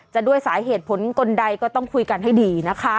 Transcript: ด้วยสาเหตุผลกลใดก็ต้องคุยกันให้ดีนะคะ